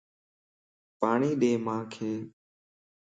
پاڻي ڏي مانک